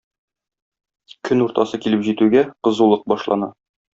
Көн уртасы килеп җитүгә, кызулык башлана.